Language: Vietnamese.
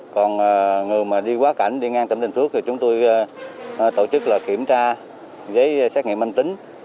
còn người mà đi quá cảnh đi ngang tỉnh bình phước thì chúng tôi tổ chức kiểm tra giấy xét nghiệm manh tính